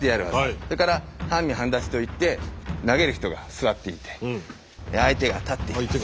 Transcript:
それから半身半立ちといって投げる人が座っていて相手が立っている。